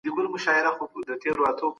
نوي نسل ته هنداره کښېښوول کېږي